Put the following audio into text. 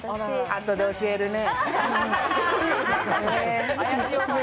あとで教えるね。